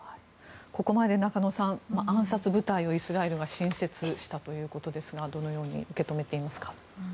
ここまでで中野さん暗殺部隊をイスラエルが新設したということですがどのように受け止めていますか？